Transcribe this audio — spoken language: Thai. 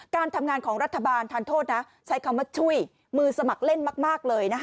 การทำงานของรัฐบาลทานโทษนะใช้คำว่าช่วยมือสมัครเล่นมากเลยนะคะ